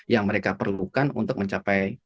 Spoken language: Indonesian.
yang mereka perlukan untuk mencapai